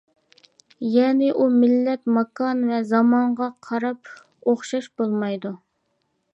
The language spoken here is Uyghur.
يەنى ئۇ مىللەت، ماكان ۋە زامانغا قاراپ ئوخشاش بولمايدۇ.